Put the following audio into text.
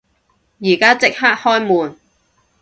而家即刻開門！